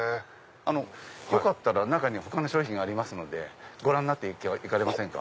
よかったら他の商品ありますのでご覧になって行かれませんか？